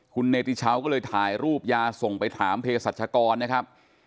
คุณเนติชาวก็เลยถ่ายรูปยาส่งไปถามเพศรัชกรนะครับ